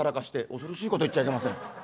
「恐ろしいこと言っちゃいけません。